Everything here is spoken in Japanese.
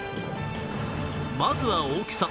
まずは大きさ。